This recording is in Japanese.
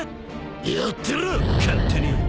やってろ勝手に。